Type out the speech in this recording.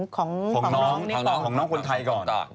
ของเนี่ยต่อของน้องคนไทยก่อน